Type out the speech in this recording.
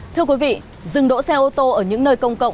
thưa quý vị dừng đỗ xe ô tô ở những nơi công cộng